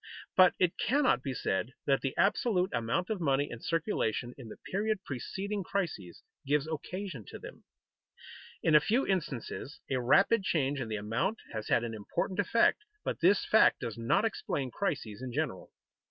But it cannot be said that the absolute amount of money in circulation in the period preceding crises gives occasion to them. In a few instances a rapid change in the amount has had an important effect, but this fact does not explain crises in general.